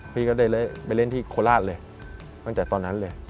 พี่ก็ได้ไปเล่นที่โคราชเลยตั้งแต่ตอนนั้นเลย